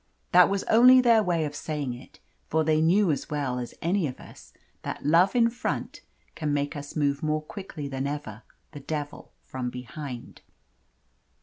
That was only their way of saying it, for they knew as well as any of us that love in front can make us move more quickly than ever the devil from behind.